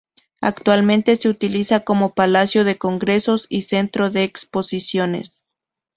Actualmente se utiliza como palacio de congresos y centro de exposiciones.